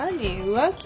浮気？